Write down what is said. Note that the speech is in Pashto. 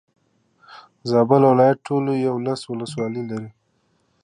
زابل ولايت ټولي يولس ولسوالي لري.